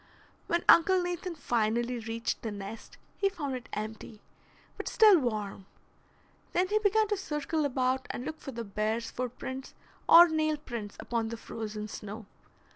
When Uncle Nathan finally reached the nest, he found it empty, but still warm. Then he began to circle about and look for the bear's footprints or nail prints upon the frozen snow.